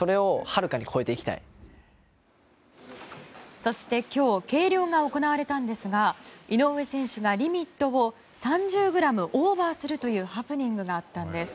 そして今日計量が行われたんですが井上選手がリミットを３０ｇオーバーするというハプニングがあったんです。